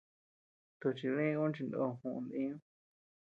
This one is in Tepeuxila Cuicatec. Tochi lï ú chindo juʼu diñu.